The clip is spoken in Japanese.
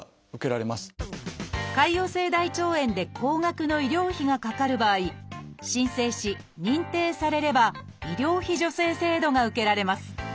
潰瘍性大腸炎で高額の医療費がかかる場合申請し認定されれば医療費助成制度が受けられます。